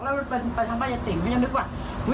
แล้วมันไปช้างป้ายอย่าติ่งก็ยังนึกว่า